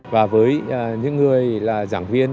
và với những người là giảng viên